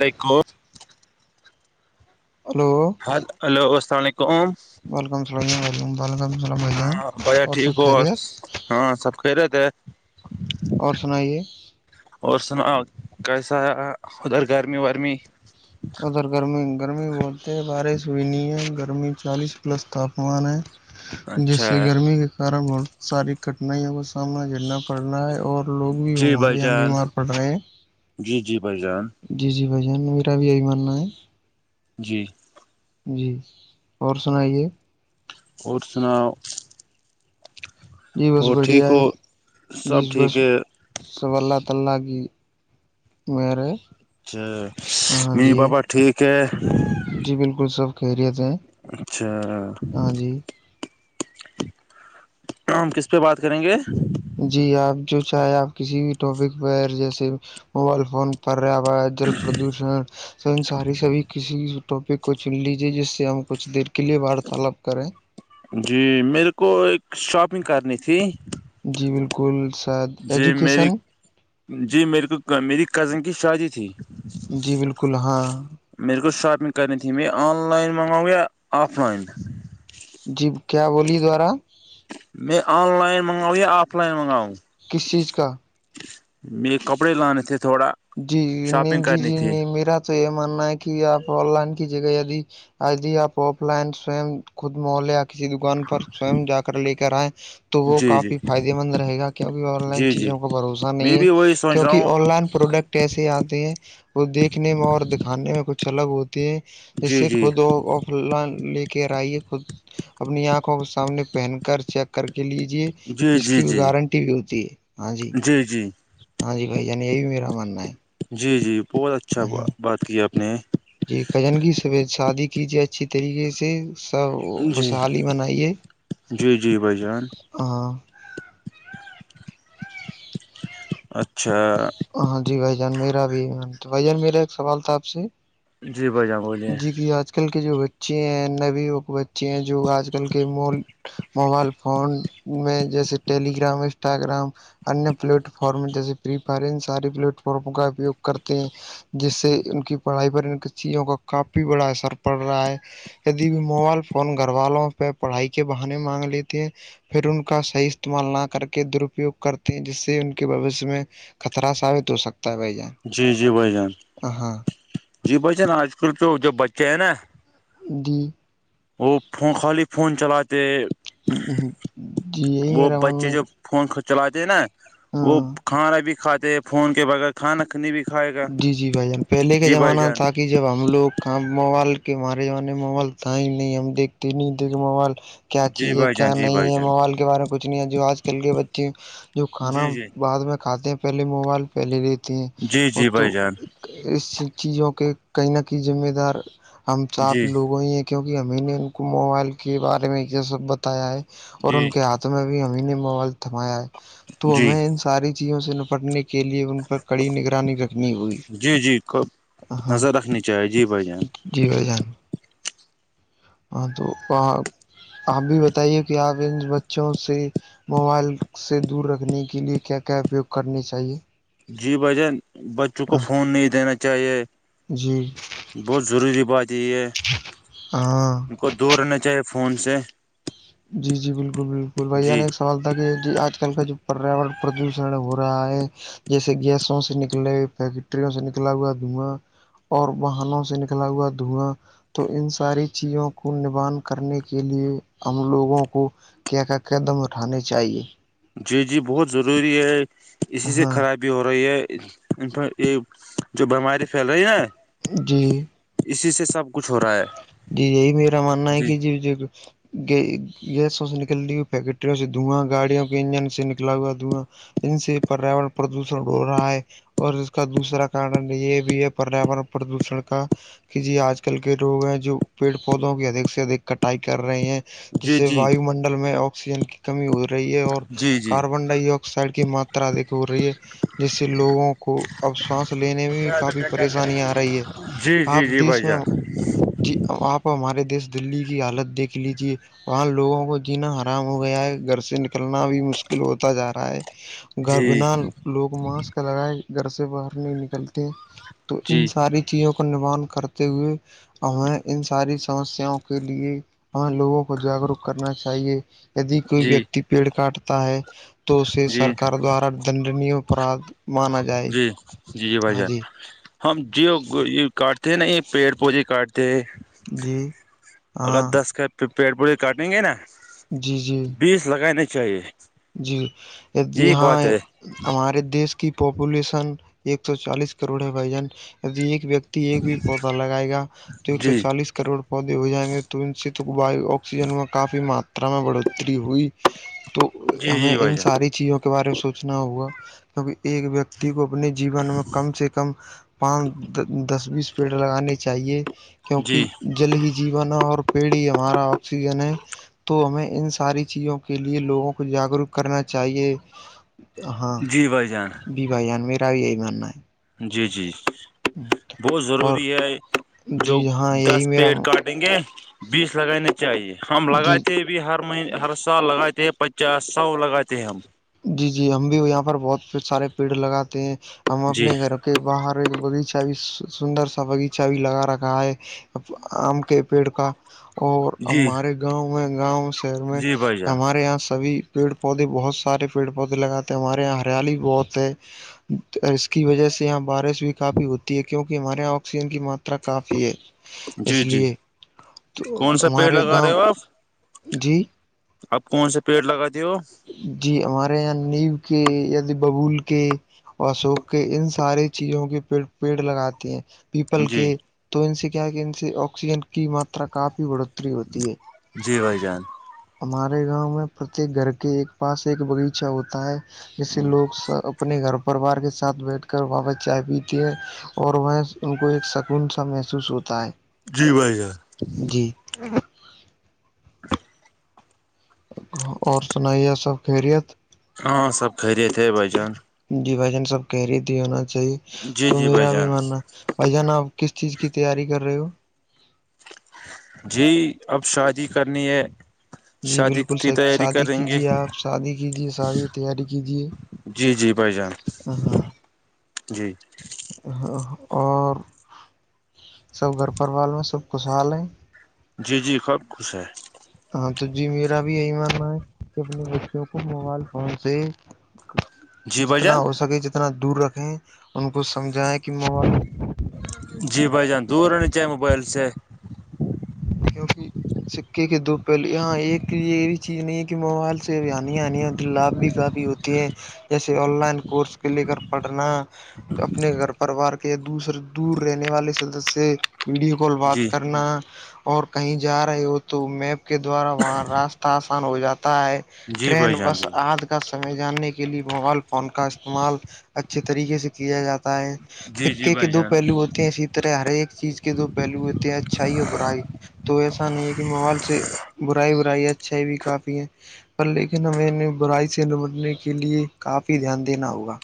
become hello hello السلام علیکم وعلیکم السلام علیکم وعلیکم السلام عھائی ہاں بھیا اور سب ٹھیک ہو خیریت ہاں سب کہ رہے تھے اور سنائیے اور سناؤ کیسا ادھر گرمی ورمی ادھر گرمی گرمی بولتے ہیں بارش ہوئی نہیں ہے گرمی چالیس پلس تاپمان ہے جس اچھا سے گرمی کے کارن بہت ساری کٹھنائیوں کا سامنا کرنا پڑ رہا ہے اور لوگ بھی جی بھائی ہمارے اں جان بیمار پڑ رہے ہیں جی جی بھائی جان جی جی بھ جان میرا بھی یہی ماننا ہے جی جی اور سنائیے اور سناؤ یہی بس اور بڑھیا ٹھیک ہو ہے سب جس بس ٹھیک ہے سب اللہ تعالی کی میرے اچھا می بابا ٹھیک ہے جی بالکل سب خیریت ہیں اچھا ہاں جی ہم کس پہ بات کریں گے جی آپ جو چاہے آپ کسی بھی ٹاپک پر جیسے موبائل فون پا ہوا جل پردوشن س ان ساری سبھی کسی ٹاپک کو چن لیجیے جس سے ہم کچھ دیر کے لیے وارتالاپ کریں جی میرے کو ایک شاپنگ کرنی تھی جی بالکل شاید جی میری ایجوکیشن جی میرے کو میری کزن کی شادی تھی جی بالکل ہاں میر کوو شاپنگ کرن تھی م میں آن لائن منگؤ آف لائن جی کیا بولیے دوبارا میں آن لائن منگاؤ یا آف لائن منگاؤ کس چیز کا م کپڑے لانے تھے تھوڑا جی جی شاپنگ نہیں جی کرنی جی تھی نہیں میرا تو یہ ماننا ہے کہ آپ آن لائن کی جگہ دی آدی آپ آف لائن سوئم خود محلے یا کسی دکان پر سو جا کر لے کر آئے تو وہ جی جی کافی فائدے مند رہے گا کیونکہ آن لائن جی جی چیزوں کا بھروسہ میں نہیں ہے بھی وہی سوچ رہا کیونکہ ہوں آن لائن پروڈکٹ ایسے آتے ہیں وہ دیکھنے میں اور دکھانے میں کچھ الگ ہوتا تھ جی جیسے جی خود آف ک لے کے آئیے خود اپنی آنکھوں کو سامنے پہن کر چیک کر کے لیجے جی جس جی کی بھی جی گارنٹی بھی ہوتی ہے ہاں جی ہاں جی بھائی جان یہ بھی میرا ماننا ہے جی جی بہت اچھا ہاں بات کی آپ نے جی کجن کی سبید شادی کیجیے اچھی طریقے سے سب جی خوشحالی بنائیے جی جی بھائی جان ہاں اچھا ہاں جی بھ جان میرا بھی تو بھ جان میرا ایک سوال تھا آپ سے جی بھائی جان بولیے جی ج آج کل آج کل کے جو بچے ہیں نبی بچے ہیں جو آج کل کے م موبائل فون میں جیسے ٹیلیگرام انسٹاگرام انیہ پلیٹ فارم جیسے پرری فائر ان سے پلیٹ فارموں کا اپیوگ کرتے ہیں جس سے ان کی پڑھائی پر ان کی چیزوں کا کافی بڑا اثر پڑ رہا ہے یدی بھی موبائل فون گھر والوں پہ پڑھائی کے بہانے مانگ لیتے ہیں پھر ان کا صحی استعمال نہ کر کے درپیوگ کرتے ہیں جس سے ان کے بوشیہ میں خطرہ ثابت ہو سکتا ہے بھائی جان جی جی بھائی جان ہاں جی بھائی جان آج کل تو جب بچے ہیں نا گی وہ خالی فون چلاتے [inaudible] یہی وہ میرا ماننا بچے ہے کہ جب فون چلاتے ہیں نا وہ ہاں کھانا بھی کھاتے ہیں فون کے بغیر کھانا کنی بھی کھائے گا جی جی بھائی جان پہلے کے جی بھائی زمانہ جان تک کہ جب ہم لوگ کا موبائل کے مارے جانے موائل تھا ہی نہیں ہم دیکتے نہیں دیکھتے موبائل کیا جی چیز ہے بھائی جان کیا جی بھائی نہیں ہے جان موبائل بارے میں کچھ نہیں ہے جو آج کل کے بچے جو کھانا جی جی بعد میں کھاتے ہیں پہلے موبائل پہلے لیتی ہیں جی جی بھائی تو جان اس چیزوں کے کہئی نہ کہ ذمہ دار ہم چ آپ جی لوگوں ہی کیونکہ امی نے ان کو موبائل کے بارے میں یہ سب بتایا ہے اور جی ان کے ہاتھ ا ہمیں نے موال تھمایا ہے تو جی ہمیں ساری چیزوں سے نپٹنے کے لیئے ان پر کڑی نگرانی رکھنی ہوئی جی جی ک ہاں نظر رکھنی چاہے جی بھائی جان جی ہو جان ہاں تو آپ بھی بتائیے کہ آپ ان بچوں سے موبائل سے دور رکھنے کے لیے کیا کیا اپیوگ کرنے چاہیے جی بھ جان بچوں کو فون نہیں دینا چاہیے جی بہت ضروری بات یہ یہ ہاں ہے کو دور رہنا چاہیے فون سے جی جی بالکل بالکل بھیا جی نے ایک سوال کہ آج کل کا جو پریاورن پردوشن ہو رہا ہے جیسے گیسوں سے نکلے فیکٹریوں سے نکلا ہوا دھواں اور باہنوں سے نکلا ہوا دھواں تو ان ساری چیزوں کو نبان کرنے کے لیئے ہم لوگوں کو کیا کیا قدم اٹھانے چاہیے جی جی بہت ضروری ہے اسی سے ہاں خرابی بھی ہو رہی ہے یہ جو بیماری پھیل رہی نا جی اسی سے سب کچھ ہو رہا ہے جی یہی میرا ماننا ہے جی کہ ج گ گیسوں سے نکل رہ ہوئی فیکٹریوں سے دھواں گاڑیوں کے انجن سے نکلا ہوا دھواں ان سے پریاورن پردوشن ہو رہا ہے اور اس کا دوسرا کارن یہ بھی ہے پریاورن پردوشن کا کہ جی آج کل کے لوگ ہیں پیڑ پودوں کی ادھک سے ادک کٹائی کر رہے ہیں جس جی سے جی واو منڈل میں آکسیجن کی کمی ہو رہی ہے اور جی جی کاربن ڈائی آکسائڈ کی ماترا ادک ہو رہی ہے جس سے لوگوں کو اب ساس لینے میں بھی کافی پریشانی آ رہی ہے جی جی آپ جی دیش بھائی میں جان جی آپ ہمارے دیس دلی کی حالت دیکھ لیجیے وہاں لوگوں کو جینا آرام ہو گیا ہے گھر سے نکلنا بھی مشکل ہوتا جا رہا ہے گھر جی بنا لوگ ماسک لگائے گھر سے باہر نہیں نکلتے تو ان جی جی ساری چیزوں کا نوان کرتے ہوئے اور ہمیں انسانی سمسیاؤں کے لیے ہم لوگوں جاگروک کرنا چاہیے یدی کولی جی ویکتی پیڑ کاٹتا ہے تو سے جی سرکار دوارا دنڈنی اپرادھ مانا جائے جی جی بھائی جان ہم جیو کاٹتے ہیں نہیں پیڑ پودے کاٹتے ہیں جی اگر ہاں دس کے پیڑ پودے کاٹیں گے نا جی جی بیس لگانے چاہیے یہی بات ہے [unintelligible] ہمارے دیش کی پاپولیشن ایک سو چالیس کروڑ ہے بھائی جان ایک ویک ایک بھی پودا لگائے گا تو ایک سو جی چالیس کا کروڑ پودے ہو جائیں گے تو ان سے تو باائیو آکسیجن میں کافی ماترا میں بڑوتری ہوئی تو جی ہمیں جی بھائی ان جان ساری چیزوں کے بارے میں سوچنا ہوا کیونکہ ایک و کو اپنے جین میں کم سے کم پانچ دس بیس پیڑ لگانے چاہیے جی کیونکہ جل ہی جیون ہے اور پیڑ ہی ہمارا آکسیجن ہے تو ہمیں ان ساری چیزوں کے لیے لوگوں کو جاگروک کرنا چاہیے ہاں جی بھائی جان جی بھایی جان میرا بھی یہی ماننا ہے جی جی بہت اور ضروری ہے جو جی ہاں یہی دس میرا پیڑ کاٹ یں گے بیس لگانے چاہیے ہم جی لگاتے ہیں بھی ہر مہینے ہر سال لگاتے ہیں پچی کیا سو لگاتے ہیں ہم جی جی ہم بھی یہاں پر بہت سارے پیڑ لگاتے ہیں ہم جی اپنے گھر کے باہر ایک باغیچہ بھی سندر سا باغیچہ بھی لگا رکھا ہے آم کے پیڑ کا اور جی ہمارے گاؤں میں گاؤں شہر میں جی بھائی جان ہمارے یہاں سبھی پیڑ پودے بہت سارے پیڑ پودے لگاتے ہمارے یہاں ہریالی بہت ہے اس کی وجہ سے یہاں بارش بھی کافی ہوتی ہے کیونکہ ہمارے یہاں آکسیجن کی ماترا کافی ہے اس جی جی لیے تو کون سا پیڑ ہمارے لگا رہے گاؤں ہو آپ جی اپ کون سےا پیڑ لگاتی ہو جی ہمارے یہاں نیم کے یا ج ببول کے اور سوک کے ان سارے چیزوں کے پڑ پیڑ لگاتے ہیں پیپل کے جی تو ان سے کیا ہے کہ ان سے آکسیجن کی ماترا کافی بڑھوتری ہوتی ہے جی بھائی جان ہمارے گاؤں میں پرتیک گھر کے ایک پاس ایک باغیچہ ہوتا ہے جیسے لوگ سب اپنے گھر پرریوار کے ساتھ بیٹھ کر وہاں چائے پیتی ہے اور وہ ان کو ایک سکون سا محسوس ہوتا ہے جی بھائی جان جی اور سنائیے سب خیریت ہاں سب خیرت جی بھائی جان سب خیرت ہی ہونا چاہیے جی تو جی بھائی میرا بھی جان ماننا بھائی جان آپ کس چیز کی تیاری کر رہے ہو جی اب شادی کرنی ہے جی شادی بالکل کی تیاری شادی کریں گے کیجیے آپ شادی کیجیے شادی کی تیاری کیجیے بھالی جان ہاں جی اور سب گھر پروار میں سب خوشحال ہیں جی جی سب خوش ہے ہاں تو جی میرا بھی یہی ماننا ہے کہ اپنے بچوں کو موبائل فون سے جی بھائی جتنا جان ہو سکے جتنا دور رکھیں ان کو سمجھائیں کہ م جی بھائی جان دور ن چے موبائل سے [unintelligible] سکے کے دو پہلے یہاں ایک ایی چیز نہیں ہے کہ موبائل سے آانییا آنی ہوتی لابھ بھی کافی ہوتا ہوتی ہے جیسے آن لائن کورس کے لے کر پڑھنا اپنے گھر پروار کے یا دوسر دور رہنے والے سدس ویڈیو کال بات جی کرنا اور کہیں جا رہے ہو تو میپ کے دوارا وہاں راستہ آسان ہو جاتا ہے جی بھائی جان جی [unintelligible] سمے جاننے کے لیے موبائل فون کا استعمال اچھے طریقے سے کیا جاتا ہے جی جی فکے کے بھائی دو جان پہلو ہوتے ہیں اسی طرح ہر ایک چیز کے دو پہلو ہوتے ہیں اچھائی اور برائی تو ایسا نہیں ہے کہ موبائل سے برائی برائی اچھائی بھی کافی ہیں پر لیکن ہمیںہیں برائی سے نمٹنے کے لیے کافی دھیان دینا ہوگا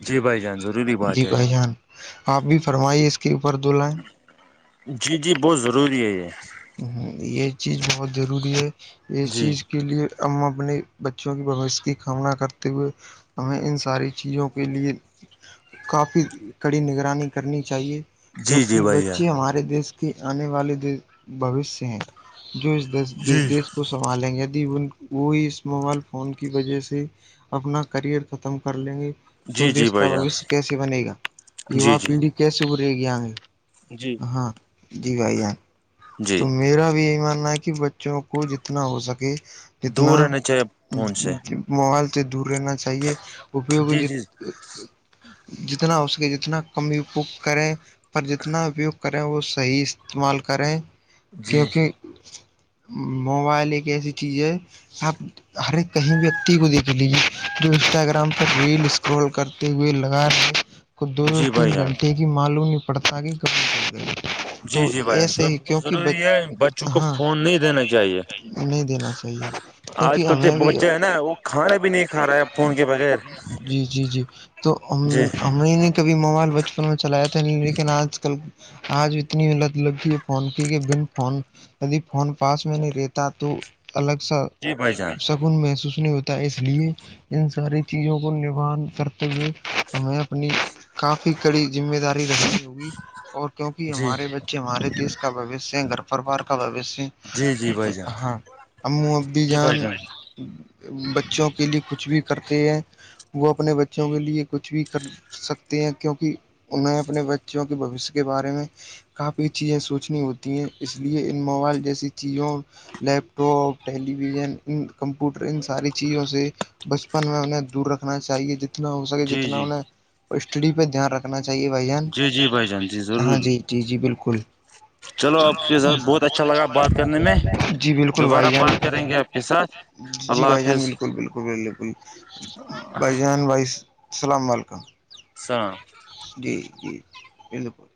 جی بھائی جان ضروری جی بات ہے بھائی جان آپ بھی فرمائیے اس کے اوپر دو لائیں جی جی بہت ضروری ہے یہ ہ یہ چیز بہت ضروری ہے یہ جی چیز کے لیے ا اپنے بچوں کی بوش کی کامنا کرتے ہوئے ہمیں ان ساری چیزوں کے لیے کافی کڑی نگرانی کرنی چاہیے جی کیونک جی بھائی جان بچے ہمارے دیش کے آنے والے بوشیہ ہیں جو اس جی دیش کو سنبھالیں گے یدی ان وہ اس موبائل فون کی وجہ سے اپنا کرئر ختم کر لیں گے تو جی جی دیس کا بھائی جان بوشیہ کیسے بنے گا یوا جی جی پیڑھی کیسے ابرے گی آگے جی ہاں جی بھائی تو جی میرا بھی یہی ماننا ہے کہ بچوں کو جتنا ہو سکے کتنا دور رہنا چاہیے فون سے محول سے دور رہنا چاہیے اپوگ جی ج جی جتنا اس کے جتنا کمی کریں پر جتنا اپیوگ کریں وہ صحیح استعمال کریں جی کیونکہ موبائل ایک ایسی چیز ہے اب ہر ایک کہیں ویکتی کو دیکھ لیجیے جو انسٹاگرام پر ریل اسکرال کر جی بھائی جان [unintelligible] جی تو جی بر ایسے ہی بہت کیونکہ ضروری ہے بچوں کو ہاں فون نہیں دینا چاہیے نہیں دینا چاہیے آج کیونکہ کل جو ہمیں بھی بچے ہیں نا وہ کھانا بھی نہیں کھا رہے فون کے بغیر جی جی جی [unintelligible] کبھی موبائل بچپن میں چلایا تھا نہیں لیکن آج کل آج اتنی مت لگھی ہے فون کیک بن فون ب فون پاس میں نہیں رہتا تو الگ سا جی بھ جان ن محسوس نہیں ہوتا ہے اس لیے ان ساری چیزوں کو نوان کرتے ہوئے ہمیں اپنی کافی کڑی ذمہ داری رہتی ہوگی اور کیونکہ جی ہمارے بچے ہمارے دیش کا بوشیہ ہے گھر پروار کا جی بوشیہ جی بھائی جان ہاں امو اببھی جی جان بھائی بچوں کے لیے کچھ بھی کرتے ہیں وہ اپنے بچوں جی کے لیے کچھ بھی کر سکتے ہیں کیونک انہیں اپنے بچوں کے بوشیہ کے بارے میں کافی چیزیں سوچنی ہوتی ہیں اس لیے ان موبائل جیسی چیزوں لیپ ٹاپ ٹیلی ویژن ان کمپیوٹر ان ساری چیزوں سے بچپن میں انہیں دور رکھنا چاہیے جتنا ہو سکے جی جتنا جی انہیں اسٹڈی پہ دھیان رکھ کرنا چاہیے بھائی جان جی جی بھائی جان جی ہاں ضرور جی جی جی بالکل چلو آپ کے ساتھ بہت اچھا لگا بات کرنے میں جی بالکل بھائی دوبارہ جان بات کریں گے آپ کے ساتھ اللہ جی بھائی جان حافظ بالکل بالکل بالکل بھائی جان بھائی السلام علیکم س [inaudible] جی جی پ [inaudible]